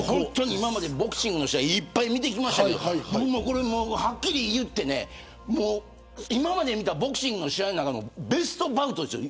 今までボクシングの試合いっぱい見てきましたがはっきり言って今まで見たボクシングの試合の中でベストバウトですよ